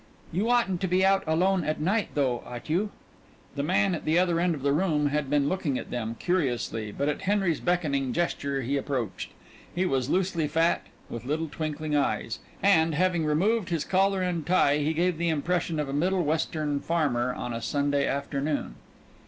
"You oughtn't to be out alone at night though, ought you?" The man at the other end of the room had been looking at them curiously, but at Henry's beckoning gesture he approached. He was loosely fat with little twinkling eyes, and, having removed his collar and tie, he gave the impression of a Middle Western farmer on a Sunday afternoon.